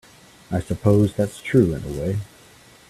I suppose that's true in a way.